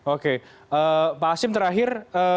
oke pak hashim terakhir